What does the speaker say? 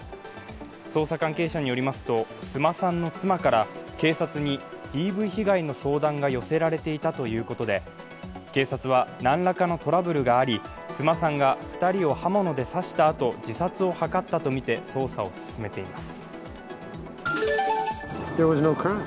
捜査関係者によりますと須磨さんの妻から警察にＤＶ被害の相談が寄せられていたということで、警察は何らかのトラブルがあり須磨さんが２人を刃物で刺したあと自殺を図ったとみて捜査を進めています。